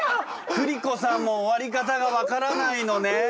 クリコさんも終わり方が分からないのね？